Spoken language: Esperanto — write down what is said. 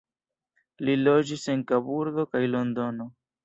Li loĝis en Kaburbo kaj Londono.